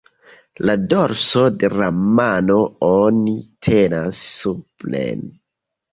La dorso de la mano oni tenas supren.